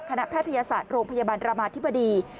แพทยศาสตร์โรงพยาบาลรามาธิบดี